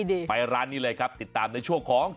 ไปร้านนี้เลยครับติดตามในช่วงของ